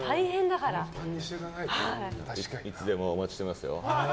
いつでもお待ちしていますよ。